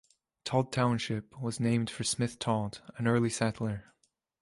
Todd Township was named for Smith Todd, an early settler.